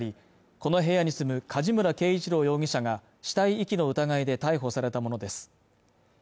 この部屋に住む梶村圭一郎容疑者が死体遺棄の疑いで逮捕されたものです